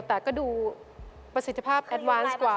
แต่ก็ดูประสิทธิภาพสำคัญ